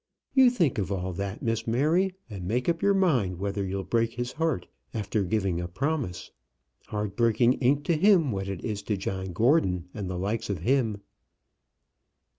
You think of all that, Miss Mary, and make up your mind whether you'll break his heart after giving a promise. Heart breaking ain't to him what it is to John Gordon and the likes of him."